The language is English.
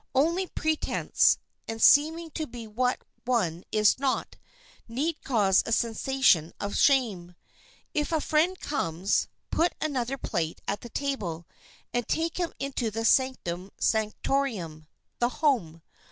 Only pretense, and seeming to be what one is not, need cause a sensation of shame. If a friend comes, put another plate at the table, and take him into the sanctum sanctorum—the home.